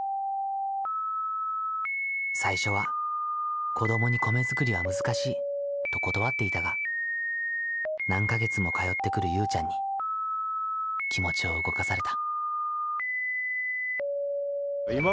最初は「子どもに米作りは難しい」と断っていたが何か月も通ってくるゆうちゃんに気持ちを動かされた。